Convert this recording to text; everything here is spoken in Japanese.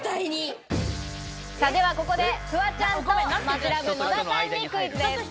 ではここでフワちゃんとマヂラブ野田さんにクイズです。